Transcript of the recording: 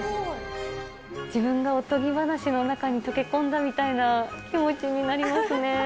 自分がおとぎ話の中に溶け込んだみたいな気持ちになりますね。